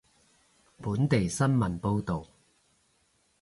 本地新聞報道